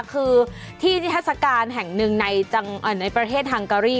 คือที่นิทัศกาลแห่งหนึ่งในประเทศฮังการี